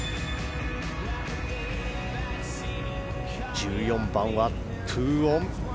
１４番は２オン。